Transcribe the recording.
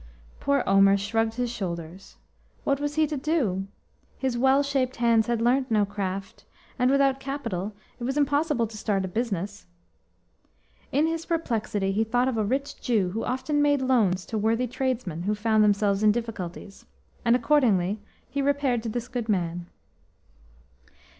Poor Omer shrugged his shoulders. What was he to do? His well shaped hands had learnt no craft, and without capital it was impossible to start a business. In his perplexity he thought of a rich Jew who often made loans to worthy tradesmen who found themselves in difficulties, and accordingly he repaired to this good man.